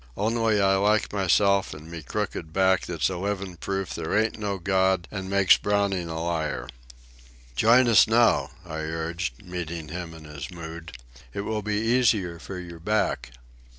Only I like myself and me crooked back that's a livin' proof there ain't no God and makes Browning a liar." "Join us now," I urged, meeting him in his mood. "It will be easier for your back."